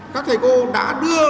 các thầy cô đã đưa